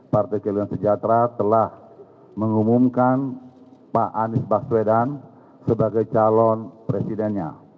partai keadilan sejahtera telah mengumumkan pak anies baswedan sebagai calon presidennya